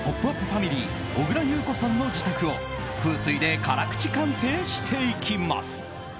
ファミリー小倉優子さんの自宅を風水で辛口鑑定していきます。